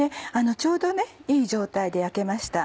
ちょうどねいい状態で焼けました。